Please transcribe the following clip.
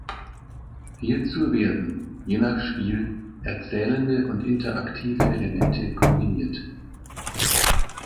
Hierzu werden, je nach Spiel, erzählende und interaktive Elemente kombiniert.